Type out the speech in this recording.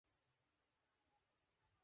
অগ্নি কিন্তু স্বরূপত ভালও নয়, মন্দও নয়।